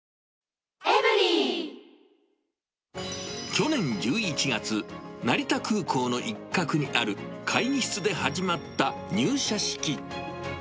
去年１１月、成田空港の一角にある会議室で始まった入社式。